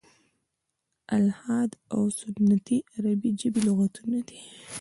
"الحاد او سنتي" عربي ژبي لغتونه دي.